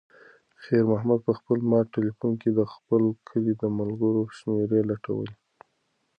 خیر محمد په خپل مات تلیفون کې د خپل کلي د ملګرو شمېرې لټولې.